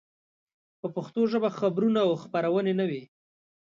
په پښتو ژبه خبرونه او خپرونې نه وې.